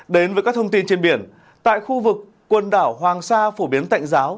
đến với các thông tin trên biển tại khu vực quần đảo hoàng sa phổ biến tạnh giáo